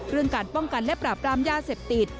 การป้องกันและปราบรามยาเสพติด